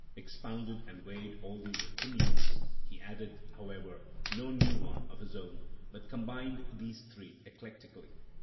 246) expounded and weighed all these opinions; he added, however, no new one of his own, but combined these three eclectically.